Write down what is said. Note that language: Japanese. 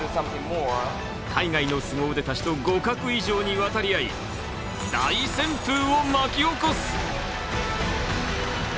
海外のすご腕たちと互角以上に渡り合い大旋風を巻き起こす！